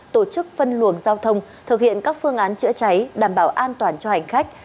tổ chức phân luồng giao thông thực hiện các phương án chữa cháy đảm bảo an toàn cho hành khách